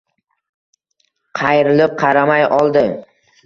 Qayrilib qaramay oldi.